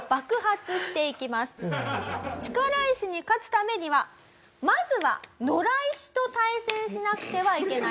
力石に勝つためにはまずは野良石と対戦しなくてはいけない。